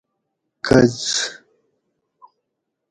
کککککککککککککککججججج